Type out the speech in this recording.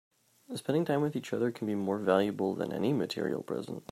Spending time with each other can be more valuable than any material present.